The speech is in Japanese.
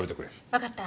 わかった。